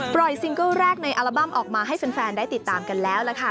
ซิงเกิ้ลแรกในอัลบั้มออกมาให้แฟนได้ติดตามกันแล้วล่ะค่ะ